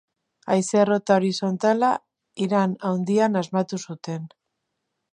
Haize errota horizontala Iran Handian asmatu zuten.